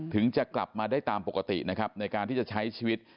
ถึงจะกลับมาได้ตามปกตินะครับในการที่จะใช้ชีวิต